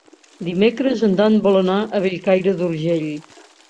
Dimecres en Dan vol anar a Bellcaire d'Urgell.